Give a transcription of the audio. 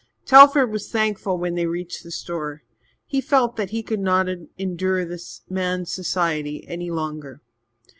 Telford was thankful when they reached the store. He felt that he could not endure this man's society any longer.